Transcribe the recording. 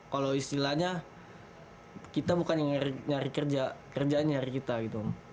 kalau istilahnya kita bukan yang nyari kerja kerjaan nyari kita gitu om